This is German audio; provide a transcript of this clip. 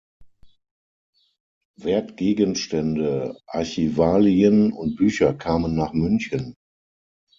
Wertgegenstände, Archivalien und Bücher kamen nach München.